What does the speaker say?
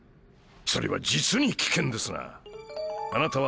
それは実に危険ですな。